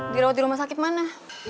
dirawat di rumah sakit mana